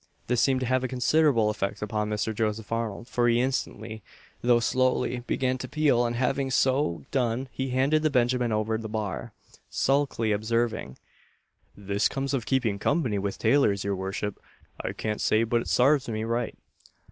This seemed to have a considerable effect upon Mr. Joseph Arnold, for he instantly, though slowly, began to peel: and having so done, he handed the benjamin over the bar, sulkily observing, "This comes of keeping company with tailors, your worship, and I can't say but it sarves me right.